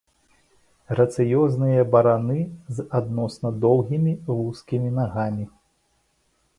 Грацыёзныя бараны з адносна доўгімі, вузкімі нагамі.